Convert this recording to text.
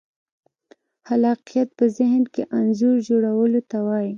خلاقیت په ذهن کې انځور جوړولو ته وایي.